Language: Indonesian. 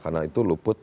karena itu luput